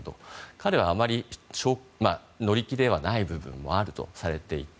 彼は、あまり乗り気ではない部分もあるとされていて。